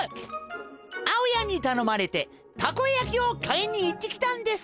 あおやんにたのまれてたこやきをかいにいってきたんですよ。